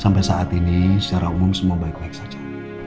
sampai saat ini secara umum semua baik baik saja